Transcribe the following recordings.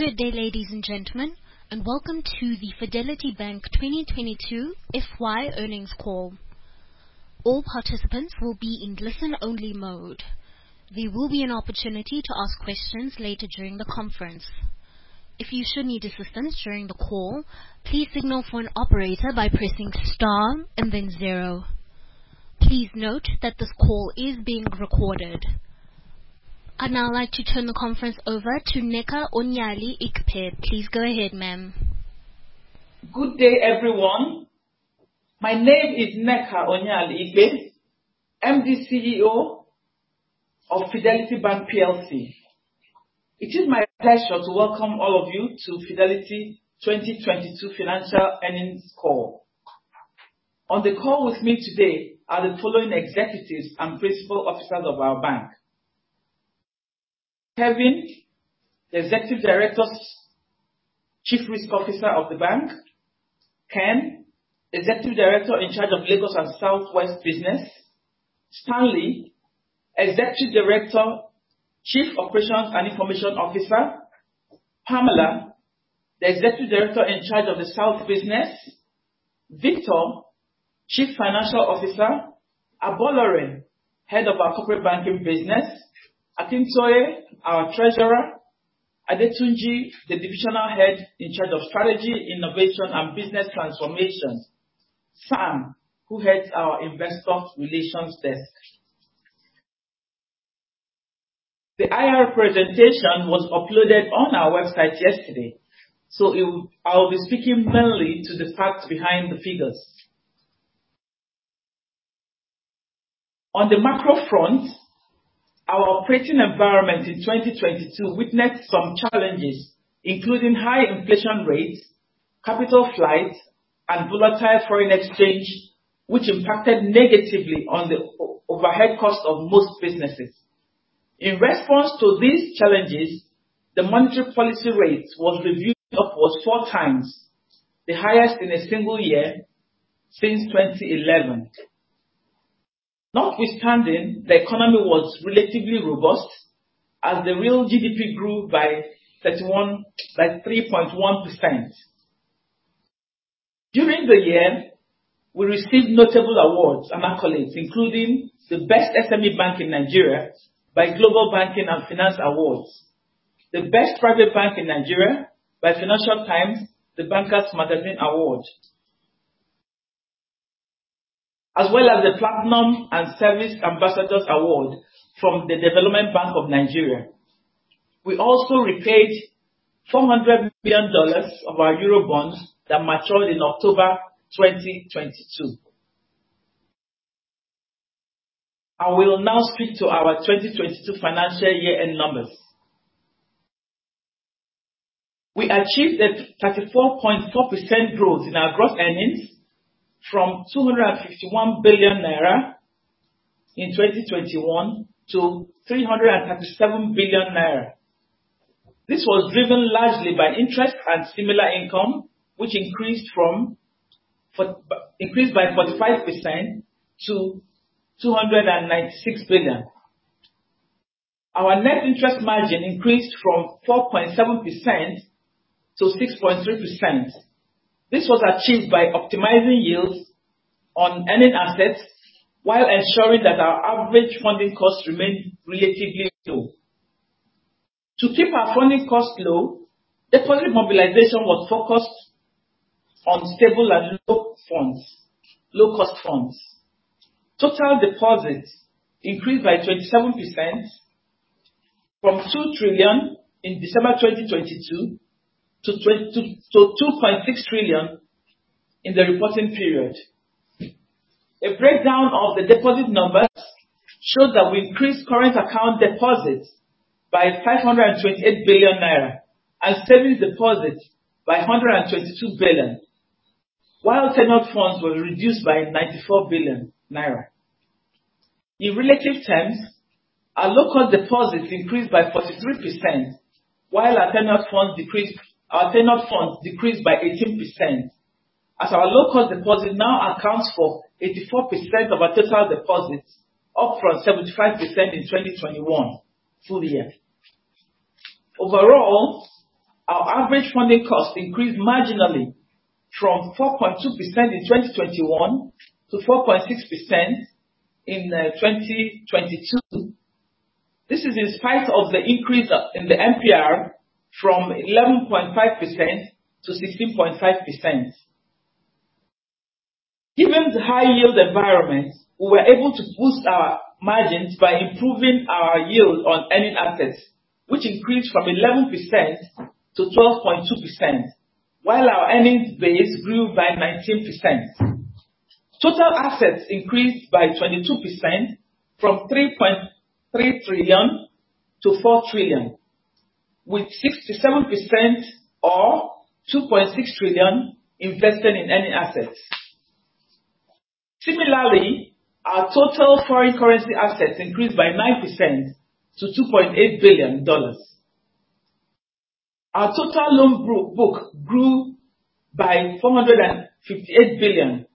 Good day, ladies and gentlemen, welcome to the Fidelity Bank 2022 FY earnings call. All participants will be in listen-only mode. There will be an opportunity to ask questions later during the conference. If you should need assistance during the call, please signal for an operator by pressing star and then zero. Please note that this call is being recorded. I'd now like to turn the conference over to Nneka Onyeali-Ikpe. Please go ahead, ma'am. Good day, everyone. My name is Nneka Onyeali-Ikpe, MD CEO of Fidelity Bank Plc. It is my pleasure to welcome all of you to Fidelity 2022 financial earnings call. On the call with me today are the following executives and principal officers of our bank. Kevin, the Executive Director, Chief Risk Officer of the bank. Ken, Executive Director in charge of Lagos and Southwest business. Stanley, Executive Director, Chief Operations and Information Officer. Pamela, the Executive Director in charge of the South business. Victor, Chief Financial Officer. Abolore, Head of our Corporate Banking business. Atinsoye, our Treasurer. Adetunji, the Divisional Head in charge of Strategy, Innovation, and Business Transformation. Sam, who heads our Investor Relations desk. The IR presentation was uploaded on our website yesterday. I will be speaking mainly to the facts behind the figures. On the macro front, our operating environment in 2022 witnessed some challenges, including high inflation rates, capital flight, and volatile foreign exchange, which impacted negatively on the overhead cost of most businesses. In response to these challenges, the monetary policy rate was reviewed upwards four times, the highest in a single year since 2011. Not withstanding, the economy was relatively robust as the real GDP grew by 3.1%. During the year, we received notable awards and accolades, including the best SME bank in Nigeria by Global Banking & Finance Awards, the best private bank in Nigeria by Financial Times, The Bankers' Magazine Award. As well as the Platinum Service Ambassador Award from the Development Bank of Nigeria. We also repaid $400 billion of our Eurobond that matured in October 2022. I will now speak to our 2022 financial year-end numbers. We achieved a 34.4% growth in our gross earnings from 251 billion naira in 2021 to 337 billion naira. This was driven largely by interest and similar income, which increased by 45% to 296 billion. Our net interest margin increased from 4.7% to 6.3%. This was achieved by optimizing yields on earning assets while ensuring that our average funding costs remained relatively low. To keep our funding costs low, deposit mobilization was focused on stable and low funds, low cost funds. Total deposits increased by 27% from 2 trillion in December 2022 to 2.6 trillion in the reporting period. A breakdown of the deposit numbers shows that we increased current account deposits by 528 billion naira and savings deposits by 122 billion. While turnout funds were reduced by 94 billion naira. In relative terms, our low cost deposits increased by 43%, while our turnout funds decreased by 18%, as our low cost deposit now accounts for 84% of our total deposits, up from 75% in 2021 full-year. Overall, our average funding cost increased marginally from 4.2% in 2021 to 4.6% in 2022. This is in spite of the increase in the MPR from 11.5% to 16.5%. Given the high yield environment, we were able to boost our margins by improving our yield on earning assets, which increased from 11%-12.2%, while our earnings base grew by 19%. Total assets increased by 22% from 3.3 trillion-4 trillion, with 67% or 2.6 trillion invested in earning assets. Similarly, our total foreign currency assets increased by 9% to $2.8 billion. Our total loan book grew by 458 billion.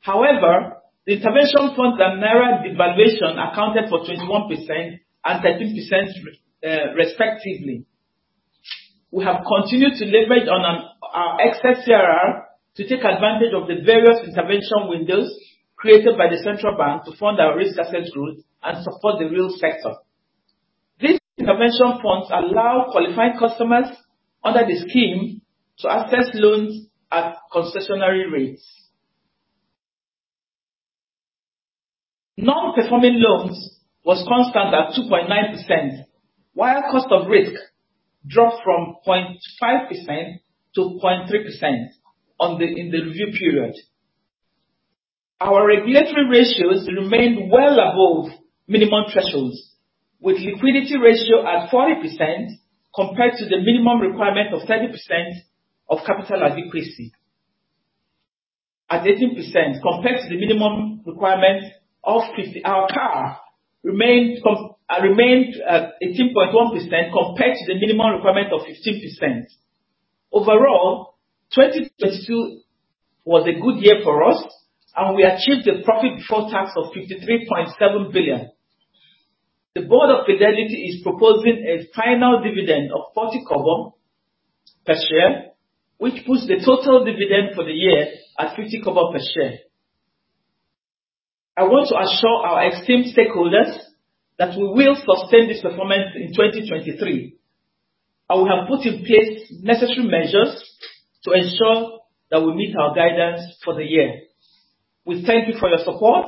However, the intervention funds and Naira devaluation accounted for 21% and 30%, respectively. We have continued to leverage on our excess CRR to take advantage of the various intervention windows created by the Central Bank of Nigeria to fund our risk asset growth and support the real sector. These intervention funds allow qualified customers under the scheme to access loans at concessionary rates. Non-performing loans was constant at 2.9%, while cost of risk dropped from 0.5% to 0.3% in the review period. Our regulatory ratios remained well above minimum thresholds, with liquidity ratio at 40% compared to the minimum requirement of 30%, of capital adequacy at 18% compared to the minimum requirement of 50. Our CAR remained at 18.1% compared to the minimum requirement of 16%. Overall, 2022 was a good year for us, and we achieved a profit before tax of 53.7 billion. The board of Fidelity is proposing a final dividend of 40 kobo per share, which puts the total dividend for the year at 50 kobo per share. I want to assure our esteemed stakeholders that we will sustain this performance in 2023, and we have put in place necessary measures to ensure that we meet our guidance for the year. We thank you for your support.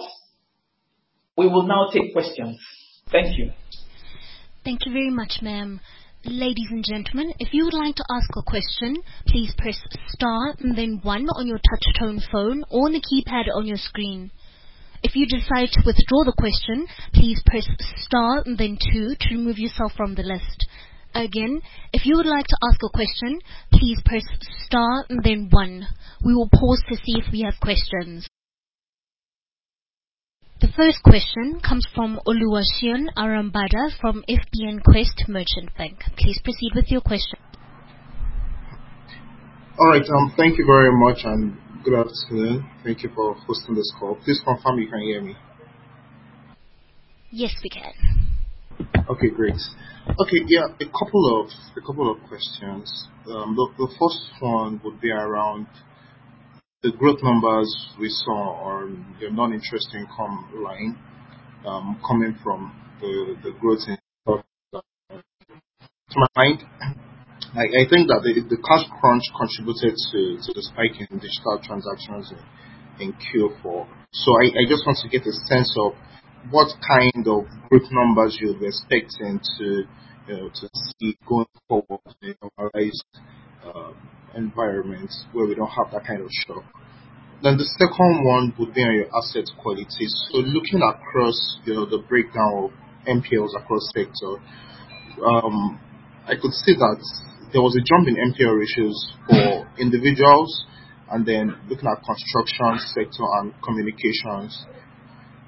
We will now take questions. Thank you. Thank you very much, ma'am. Ladies and gentlemen, if you would like to ask a question, please press star then one on your touchtone phone or on the keypad on your screen. If you decide to withdraw the question, please press star then two to remove yourself from the list. Again, if you would like to ask a question, please press star then one. We will pause to see if we have questions. The first question comes from Oluwaseun Arambada from FBNQuest Merchant Bank. Please proceed with your question. All right. Thank you very much. Good afternoon. Thank you for hosting this call. Please confirm you can hear me. Yes, we can. Okay, great. Okay. A couple of questions. The first one would be around the growth numbers we saw on your non-interest income line, coming from the growth in to my mind. I think that the cash crunch contributed to the spike in digital transactions in Q4. I just want to get a sense of what kind of growth numbers you'll be expecting to, you know, see going forward in a normalized environment where we don't have that kind of shock. The second one would be on your asset quality. Looking across, you know, the breakdown of NPLs across sectors, I could see that there was a jump in NPL ratios for individuals and then looking at construction sector and communications.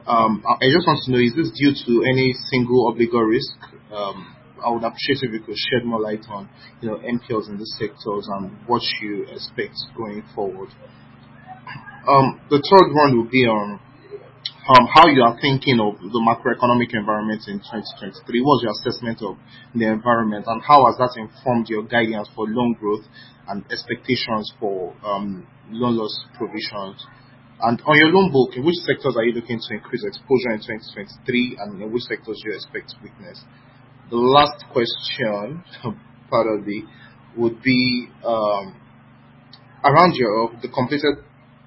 I just want to know, is this due to any single or bigger risk? I would appreciate if you could shed more light on, you know, NPLs in these sectors and what you expect going forward. The third one will be on how you are thinking of the macroeconomic environment in 2023. What is your assessment of the environment, how has that informed your guidance for loan growth and expectations for loan loss provisions? On your loan book, in which sectors are you looking to increase exposure in 2023, and in which sectors do you expect to witness? The last question, probably, would be around your the completed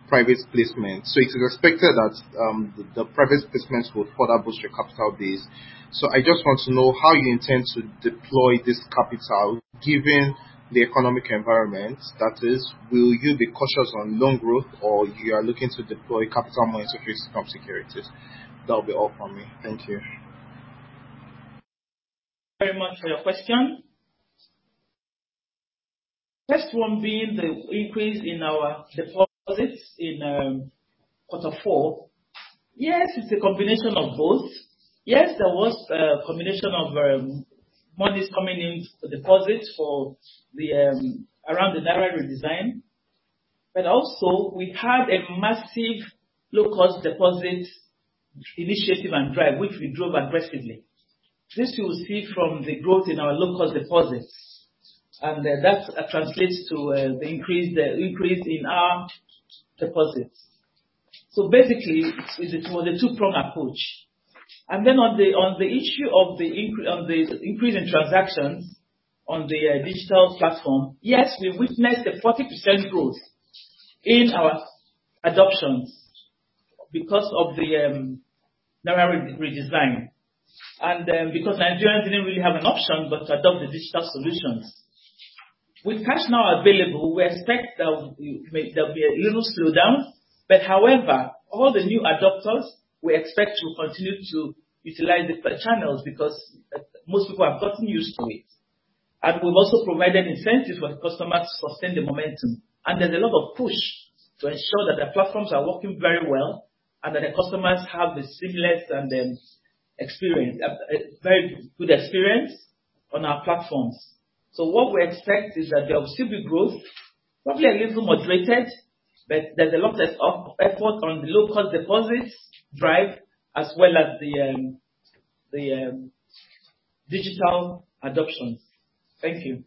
private placement. It is expected that the private placements will further boost your capital base. I just want to know how you intend to deploy this capital, given the economic environment. That is, will you be cautious on loan growth or you are looking to deploy capital more into risk securities? That'll be all from me. Thank you. Very much for your question. First one being the increase in our deposits in quarter four. Yes, it's a combination of both. Yes, there was a combination of monies coming in for deposits for the around the Naira redesign. Also we had a massive low cost deposit initiative and drive, which we drove aggressively. This you will see from the growth in our low cost deposits, and that translates to the increase in our deposits. Basically it's, it was a two pronged approach. On the issue of the increase in transactions on the digital platform, yes, we've witnessed a 40% growth in our adoptions because of the Naira redesign and because Nigerians didn't really have an option but to adopt the digital solutions. With cash now available, we expect there'll be a little slowdown, however, all the new adopters we expect to continue to utilize the channels because most people have gotten used to it. We've also provided incentives for the customers to sustain the momentum. There's a lot of push to ensure that our platforms are working very well and that our customers have a seamless and experience, a very good experience on our platforms. What we expect is that there'll still be growth, probably a little moderated, but there's a lot of effort on the low-cost deposits drive, as well as the digital adoptions. Thank you.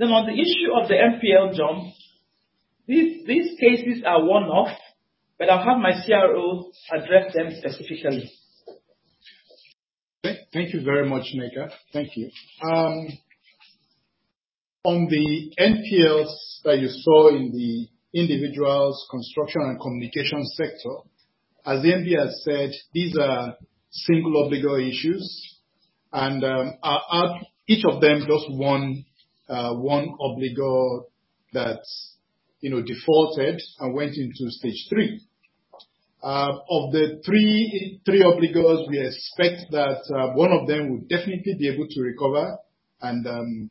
On the issue of the NPL jump, these cases are one-off, but I'll have my CRO address them specifically. Thank you very much, Nneka. Thank you. On the NPLs that you saw in the individuals, construction and communication sector, as the MD has said, these are single obligor issues and are each of them just one obligor that, you know, defaulted and went into stage 3. Of the three obligors, we expect that one of them will definitely be able to recover and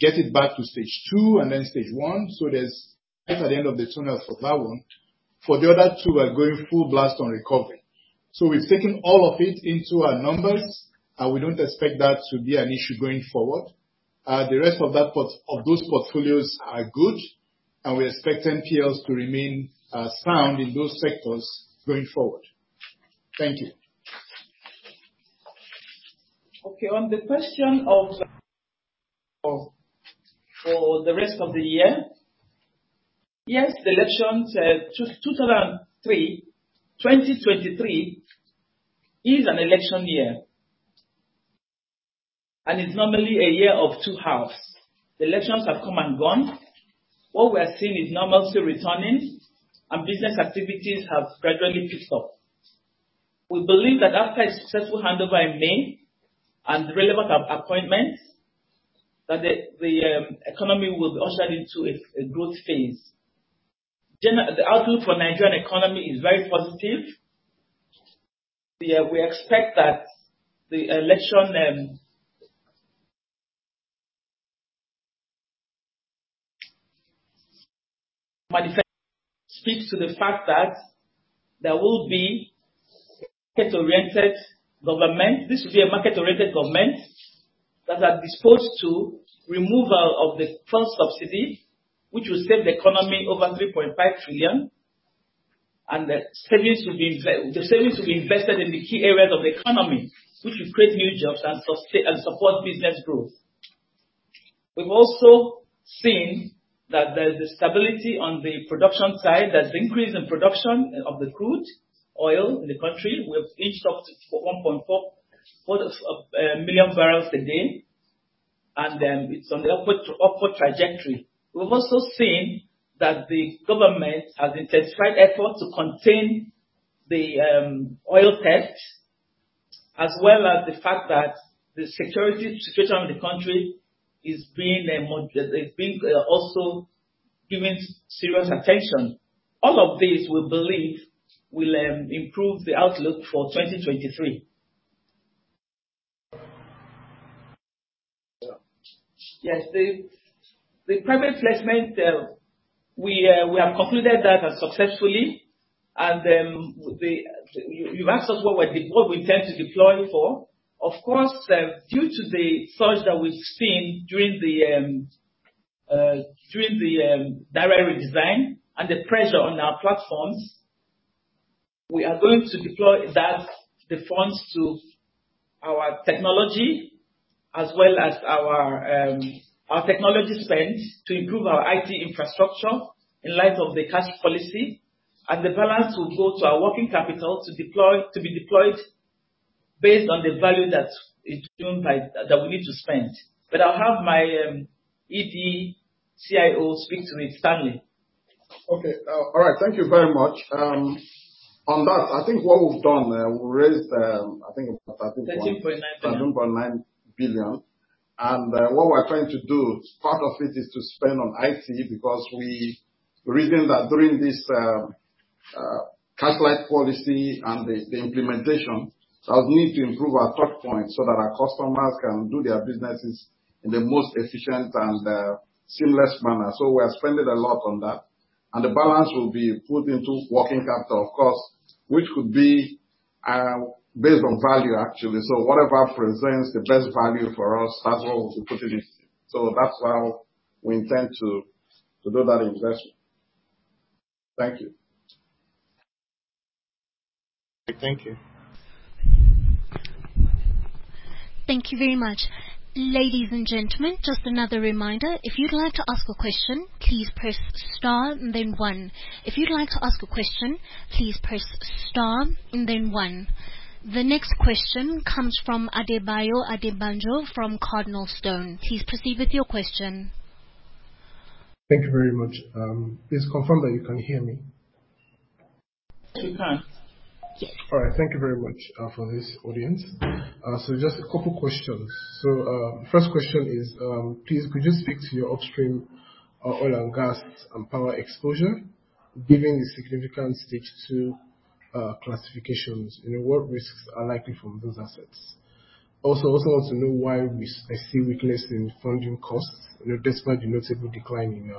get it back to stage 2 and then stage 1. There's light at the end of the tunnel for that one. For the other two, we're going full blast on recovery. We've taken all of it into our numbers, and we don't expect that to be an issue going forward. The rest of those portfolios are good, and we expect NPLs to remain sound in those sectors going forward. Thank you. Okay. On the question of for the rest of the year, yes, the elections, 2023 is an election year, and it's normally a year of two halves. The elections have come and gone. What we are seeing is normalcy returning and business activities have gradually picked up. We believe that after a successful handover in May and relevant appointments, that the economy will be ushered into a growth phase. The outlook for Nigerian economy is very positive. We expect that the election manifest speaks to the fact that there will be market-oriented government. This will be a market-oriented government that are disposed to removal of the fuel subsidy, which will save the economy over 3.5 trillion, and the savings will be invested in the key areas of the economy, which will create new jobs and support business growth. We've also seen that there's a stability on the production side. There's increase in production of the crude oil in the country. We've inched up to 1.4 million barrels a day, and it's on the upward trajectory. We've also seen that the government has intensified efforts to contain the oil theft, as well as the fact that the security situation in the country is being also given serious attention. All of these, we believe, will improve the outlook for 2023. Yes. The private placement, we have completed that successfully and, you asked us what we intend to deploy for. Of course, due to the surge that we've seen during the Redesign and the pressure on our platforms, we are going to deploy that, the funds to our technology, as well as our technology spend to improve our IT infrastructure in light of the cashless policy, and the balance will go to our working capital to deploy, to be deployed based on the value that is driven by, that we need to spend. I'll have my ED CIO speak to it, Stanley. All right. Thank you very much. On that, I think what we've done, we raised, I think it was. 13.9 billion. NGN 13.9 billion. What we're trying to do, part of it is to spend on IT, because we reasoned that during this cashless policy and the implementation, as we need to improve our touch points so that our customers can do their businesses in the most efficient and seamless manner. We are spending a lot on that. The balance will be put into working capital, of course, which would be based on value actually. Whatever presents the best value for us, that's where we'll be putting it. That's how we intend to do that investment. Thank you. Thank you. Thank you very much. Ladies and gentlemen, just another reminder. If you'd like to ask a question, please press star then 1. If you'd like to ask a question, please press star and then 1. The next question comes from Adebayo Adebanjo from CardinalStone. Please proceed with your question. Thank you very much. Please confirm that you can hear me. We can. Yes. All right. Thank you very much for this audience. Just a couple questions. First question is, please could you speak to your upstream oil and gas and power exposure, given the significant stage 2 Classifications, you know, what risks are likely from those assets? Also, I see weakness in funding costs, you know, despite the notable decline in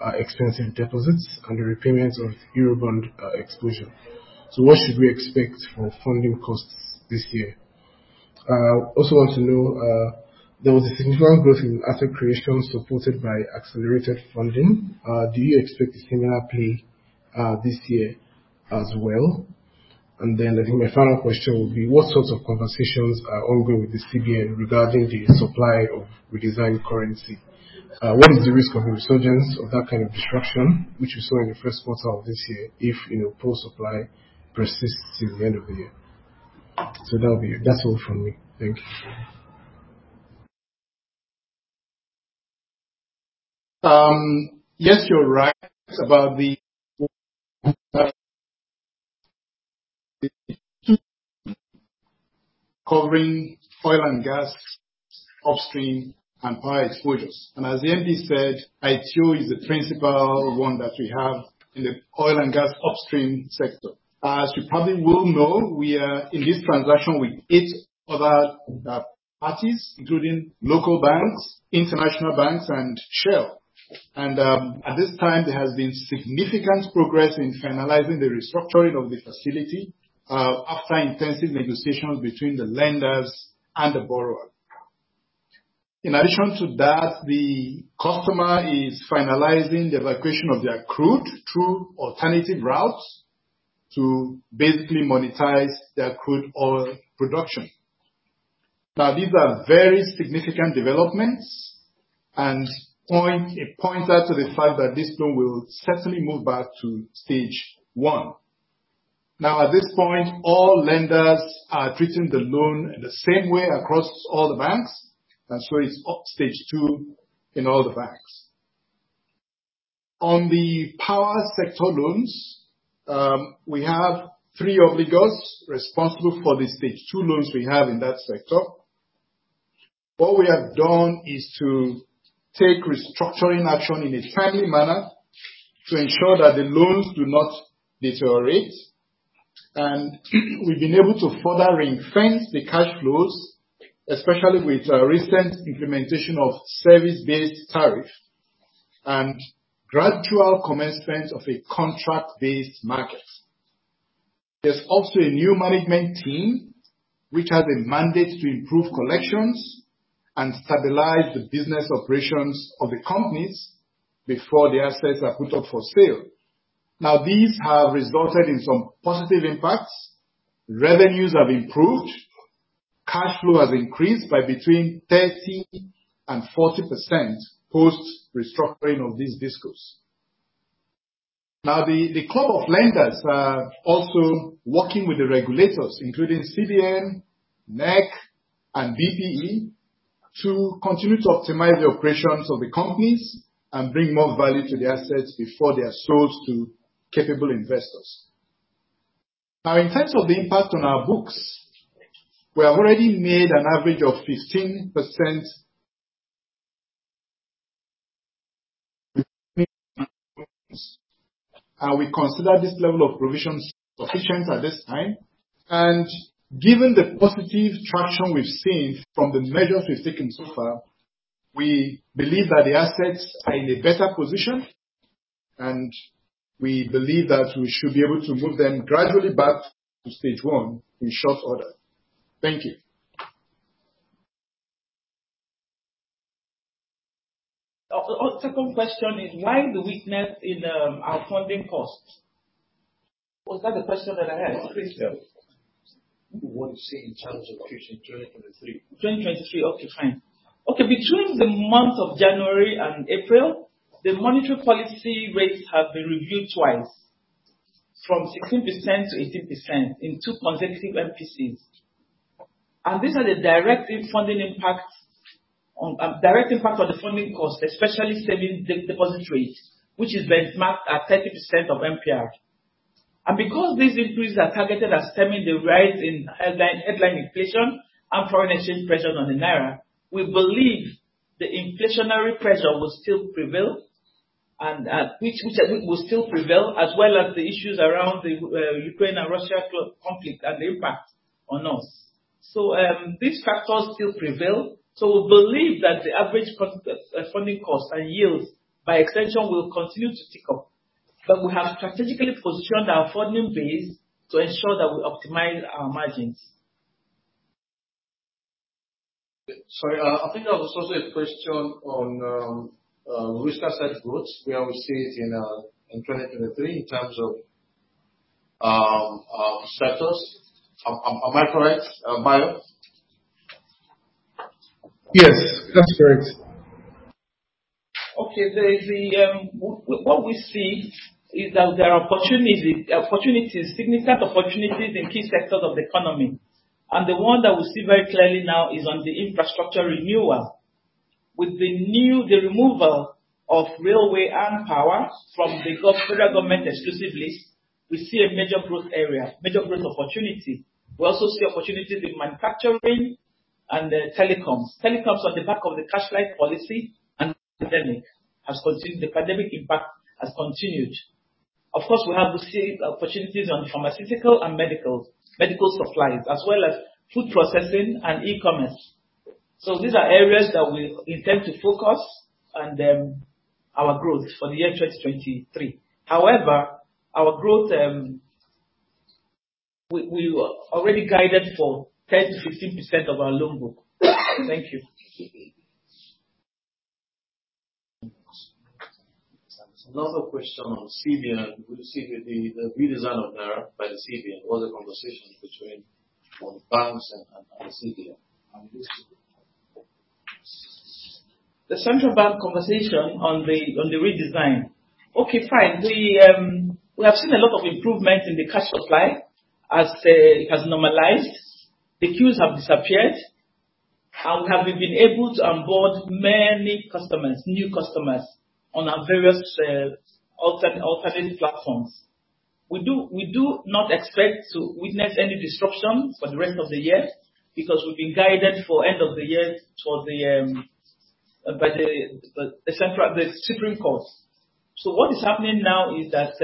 our expensive deposits and the repayments of Eurobond exposure. What should we expect for funding costs this year? Also, want to know, there was a significant growth in asset creation supported by accelerated funding. Do you expect a similar play this year as well? I think my final question would be, what sorts of conversations are ongoing with the CBN regarding the supply of redesigned currency? What is the risk of a resurgence of that kind of disruption which we saw in the first quarter of this year, if, you know, poor supply persists till the end of the year? That would be it. That's all from me. Thank you. Yes, you're right about the covering oil and gas upstream and power exposures. As the MD said, ITO is the principal one that we have in the oil and gas upstream sector. As you probably well know, we are in this transaction with eight other parties, including local banks, international banks and Shell. At this time there has been significant progress in finalizing the restructuring of the facility after intensive negotiations between the lenders and the borrower. In addition to that, the customer is finalizing the evacuation of their crude through alternative routes to basically monetize their crude oil production. These are very significant developments and it points us to the fact that this loan will certainly move back to stage 1. At this point, all lenders are treating the loan the same way across all the banks. That's why it's up stage 2 in all the banks. On the power sector loans, we have three obligors responsible for the stage 2 loans we have in that sector. What we have done is to take restructuring action in a timely manner to ensure that the loans do not deteriorate. We've been able to further reinforce the cash flows, especially with our recent implementation of Service-Based Tariff and gradual commencement of a contract-based market. There's also a new management team which has a mandate to improve collections and stabilize the business operations of the companies before the assets are put up for sale. These have resulted in some positive impacts. Revenues have improved. Cash flow has increased by between 30% and 40% post-restructuring of these DisCos. The club of lenders are also working with the regulators, including CBN, NEC and BPE, to continue to optimize the operations of the companies and bring more value to the assets before they are sold to capable investors. In terms of the impact on our books, we have already made an average of 15% and we consider this level of provisions sufficient at this time. Given the positive traction we've seen from the measures we've taken so far, we believe that the assets are in a better position, and we believe that we should be able to move them gradually back to stage 1 in short order. Thank you. The second question is why the weakness in our funding costs? Was that the question that I asked? No. Please tell. What you see in terms of future in 2023. 2023. Okay, fine. Okay. Between the months of January and April, the monetary policy rates have been reviewed twice, from 16% to 18% in two consecutive MPCs. These are the direct funding impact on direct impact on the funding cost, especially saving deposit rates, which is benchmarked at 30% of MPR. Because these increases are targeted at stemming the rise in headline inflation and foreign exchange pressure on the naira, we believe the inflationary pressure will still prevail and which I think will still prevail, as well as the issues around the Ukraine and Russia conflict and the impact on us. These factors still prevail. We believe that the average cost, funding costs and yields by extension will continue to tick up. We have strategically positioned our funding base to ensure that we optimize our margins. Sorry, I think there was also a question on risk asset growth, where we see it in 2023 in terms of sectors. Am I correct, Adebayo? Yes, that's correct. Okay. What we see is that there are opportunities, significant opportunities in key sectors of the economy. The one that we see very clearly now is on the infrastructure renewal. With the removal of railway and power from the federal government exclusive list, we see a major growth area, major growth opportunity. We also see opportunities in manufacturing. The telecoms. Telecoms on the back of the cash-lite policy and the pandemic has continued. The pandemic impact has continued. Of course, we have the same opportunities on pharmaceutical and medical supplies, as well as food processing and e-commerce. These are areas that we intend to focus and our growth for the year 2023. However, our growth, we already guided for 10% to 15% of our loan book. Thank you. Another question on CBN. With the redesign of Naira by the CBN. What are the conversations between, well, banks and CBN on this? The Central Bank conversation on the redesign. Okay, fine. We have seen a lot of improvement in the cash supply as it has normalized. The queues have disappeared, and we have been able to onboard many customers, new customers on our various alternative platforms. We do not expect to witness any disruption for the rest of the year because we've been guided for end of the year for the by the Supreme Court. What is happening now is that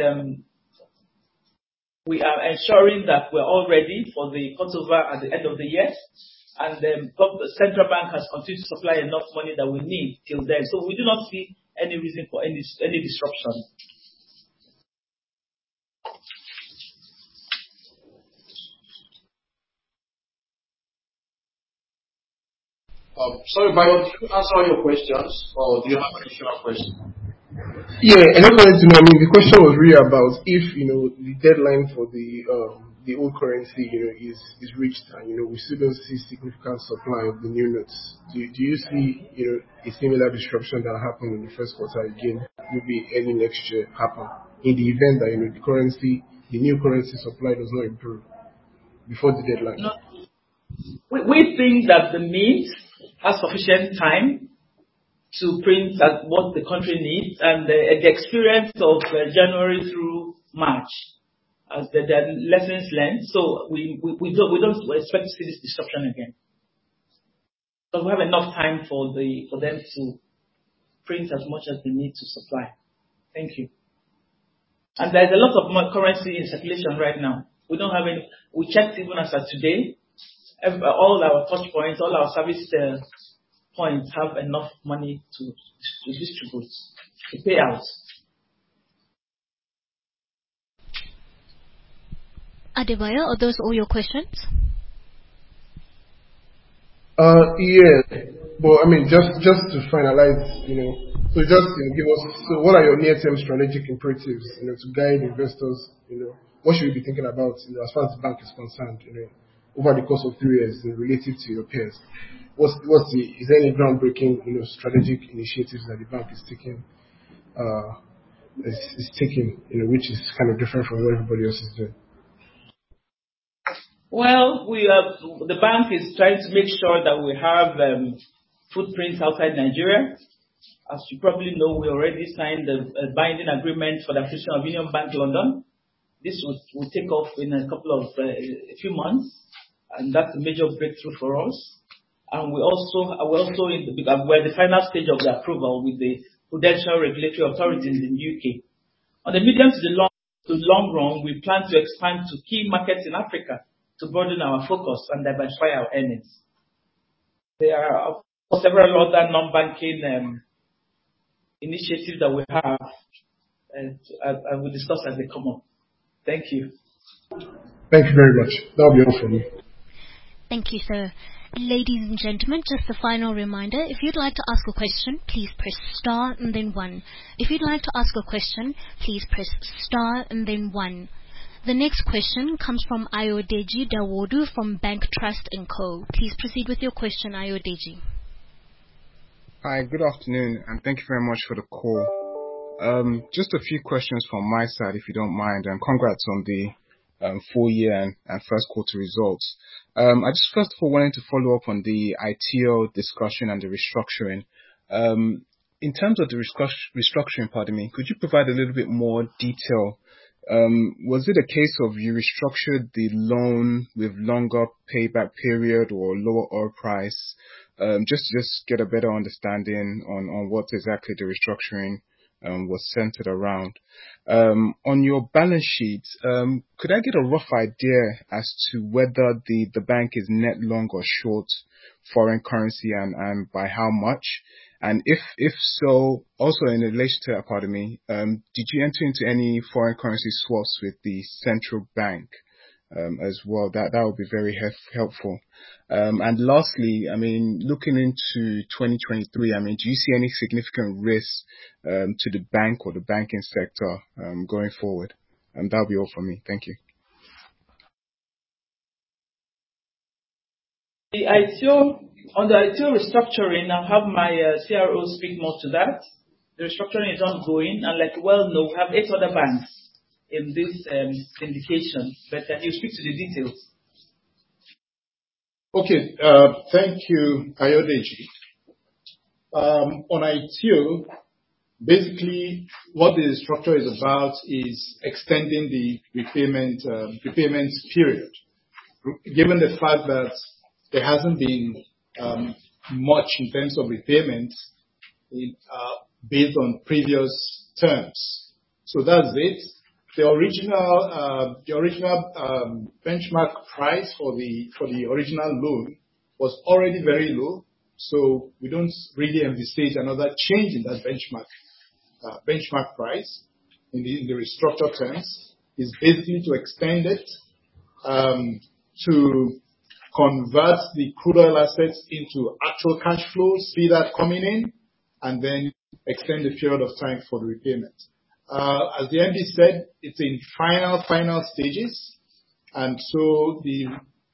we are ensuring that we're all ready for the cut over at the end of the year, and then the Central Bank has continued to supply enough money that we need till then. We do not see any reason for any disruption. Sorry, Adebayo, did we answer all your questions or do you have an additional question? Yeah. I mean, the question was really about if, you know, the deadline for the old currency, you know, is reached and, you know, we still don't see significant supply of the new notes. Do you see, you know, a similar disruption that happened in the first quarter again, maybe early next year happen in the event that, you know, the currency, the new currency supply does not improve before the deadline? No. We think that the mint has sufficient time to print as what the country needs and the experience of January through March as the lessons learned. We don't expect to see this disruption again. We have enough time for them to print as much as they need to supply. Thank you. There's a lot of currency in circulation right now. We checked even as at today, all our touch points, all our service points have enough money to distribute the payouts. Adebayo, are those all your questions? Yeah. I mean, just to finalize, you know. Just give us, so what are your near-term strategic imperatives, you know, to guide investors, you know, what should we be thinking about, you know, as far as the bank is concerned, you know, over the course of three years relative to your peers? What's the, Is there any groundbreaking, you know, strategic initiatives that the bank is taking, you know, which is kind of different from what everybody else is doing? Well, the bank is trying to make sure that we have footprints outside Nigeria. As you probably know, we already signed the, a binding agreement for the acquisition of Union Bank London. This will take off in a couple of a few months, and that's a major breakthrough for us. We also, we're also in the final stage of the approval with the Prudential Regulation Authority in UK. On the medium to the long run, we plan to expand to key markets in Africa to broaden our focus and diversify our earnings. There are several other non-banking initiatives that we have, and we'll discuss as they come up. Thank you. Thank you very much. That'll be all for me. Thank you, sir. Ladies and gentlemen, just a final reminder. If you'd like to ask a question, please press star and then one. If you'd like to ask a question, please press star and then one. The next question comes from Ayodeji Dawodu from BancTrust & Co. Please proceed with your question, Ayodeji. Hi, good afternoon. Thank you very much for the call. Just a few questions from my side, if you don't mind. Congrats on the full-year and first quarter results. I just first for wanting to follow up on the ITO discussion and the restructuring. In terms of the restructuring, pardon me, could you provide a little bit more detail? Was it a case of you restructured the loan with longer payback period or lower oil price? Just to get a better understanding on what exactly the restructuring was centered around. On your balance sheet, could I get a rough idea as to whether the bank is net long or short foreign currency and by how much? If so, also in relation to that, pardon me, did you enter into any foreign currency swaps with the Central Bank as well? That would be very helpful. Lastly, I mean, looking into 2023, I mean, do you see any significant risks to the bank or the banking sector going forward? That'll be all for me. Thank you. The ITO, on the ITO restructuring, I'll have my CRO speak more to that. The restructuring is ongoing, and like in Worldno, we have eight other banks in this syndication. Can you speak to the details? Okay. Thank you, Ayodeji. On Aiteo, basically what the structure is about is extending the repayments period, given the fact that there hasn't been much in terms of repayment based on previous terms. That's it. The original benchmark price for the original loan was already very low, we don't really anticipate another change in that benchmark price. In the restructure terms, it's basically to extend it to convert the crude oil assets into actual cash flows, see that coming in, and then extend the period of time for repayment. As the MD said, it's in final stages, and so the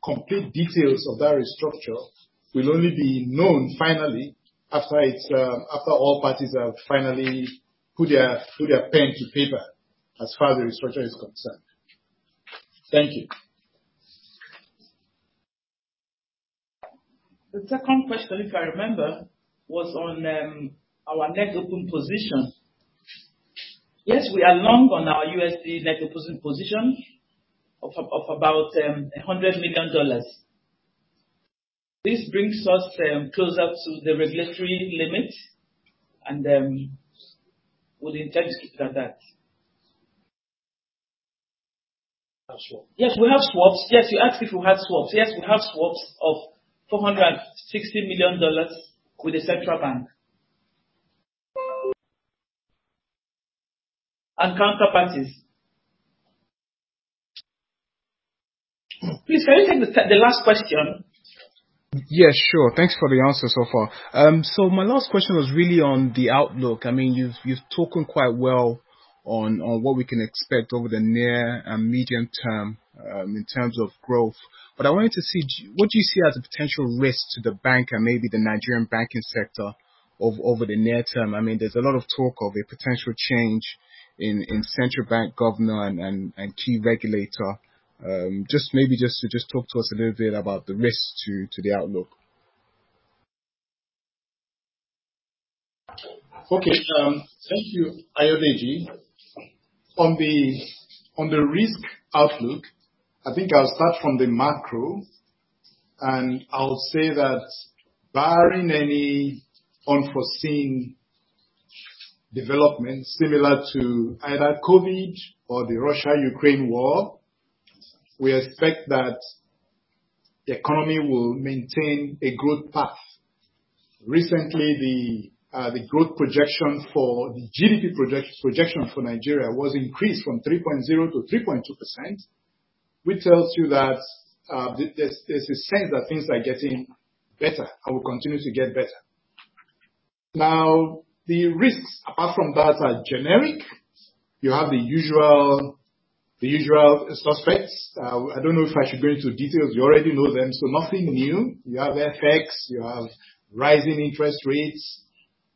complete details of that restructure will only be known finally after it's after all parties have finally put their pen to paper as far as the restructure is concerned. Thank you. The second question, if I remember, was on our net open position. Yes, we are long on our USD net open position of about $100 million. This brings us closer to the regulatory limit and we'll intend to keep it at that. Swaps. Yes, we have swaps. Yes, you asked if we had swaps. Yes, we have swaps of $460 million with the Central Bank. Counterparties. Please, can you take the last question? Yeah, sure. Thanks for the answers so far. My last question was really on the outlook. I mean, you've spoken quite well on what we can expect over the near and medium term, in terms of growth. I wanted to see what do you see as a potential risk to the bank and maybe the Nigerian banking sector over the near term? I mean, there's a lot of talk of a potential change in Central Bank governor and key regulator. Just maybe just to talk to us a little bit about the risks to the outlook. Thank you, Ayodeji. On the risk outlook, I think I'll start from the macro, I'll say that barring any unforeseen developments similar to either COVID or the Russia-Ukraine war, we expect that the economy will maintain a growth path. Recently the GDP projection for Nigeria was increased from 3.0% to 3.2%, which tells you that there's a sense that things are getting better and will continue to get better. The risks apart from that are generic. You have the usual suspects. I don't know if I should go into details. You already know them, nothing new. You have FX, you have rising interest rates,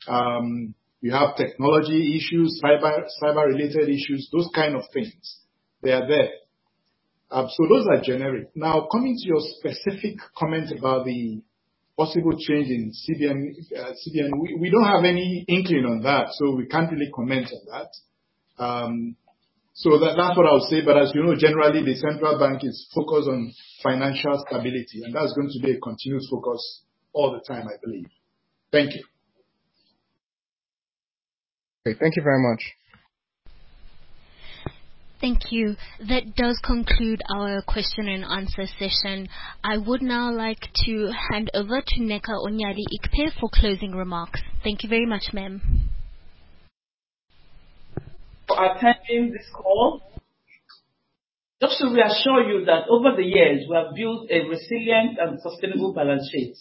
you have technology issues, cyber-related issues, those kind of things. They are there. Those are generic. Coming to your specific comment about the possible change in CBN, we don't have any inkling on that. We can't really comment on that. That's what I would say. As you know, generally the Central Bank is focused on financial stability, and that's going to be a continuous focus all the time, I believe. Thank you. Okay. Thank you very much. Thank you. That does conclude our question and answer session. I would now like to hand over to Nneka Onyeali-Ikpe for closing remarks. Thank you very much, ma'am. For attending this call. Just to reassure you that over the years we have built a resilient and sustainable balance sheet.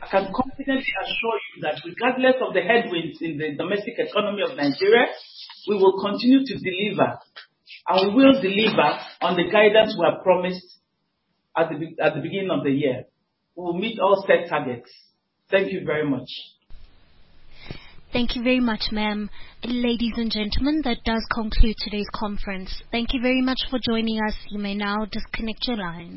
I can confidently assure you that regardless of the headwinds in the domestic economy of Nigeria, we will continue to deliver, and we will deliver on the guidance we have promised at the beginning of the year. We will meet all set targets. Thank you very much. Thank you very much, ma'am. Ladies and gentlemen, that does conclude today's conference. Thank you very much for joining us. You may now disconnect your lines.